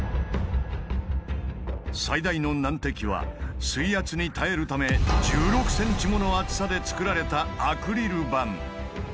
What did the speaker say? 最大の難敵は水圧に耐えるため１６ｃｍもの厚さで作られたアクリル板。